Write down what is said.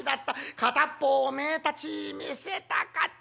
片っ方おめえたちに見せたかった。